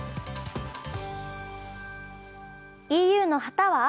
ＥＵの旗は青。